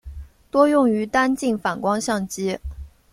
多用于单镜反光相机。